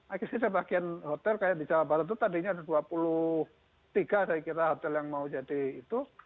akhirnya sebagian hotel kayak di jawa barat itu tadinya ada dua puluh tiga saya kira hotel yang mau jadi itu